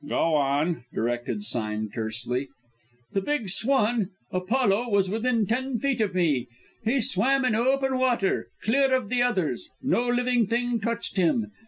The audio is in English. "Go on," directed Sime tersely. "The big swan Apollo was within ten feet of me; he swam in open water, clear of the others; no living thing touched him.